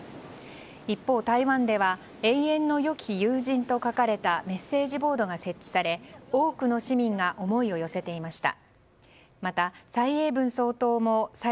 一方、台湾では永遠の良き友人と書かれたメッセージボードが設置され多くの市民が思いを寄せていました。